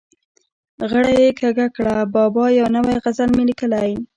غړۍ یې کږه کړه: بابا یو نوی غزل مې لیکلی.